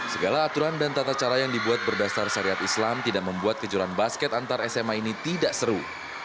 segala aturan dan tata cara yang dibuat berdasar syariat islam tidak membuat kejuaraan basket antar sma ini tidak seru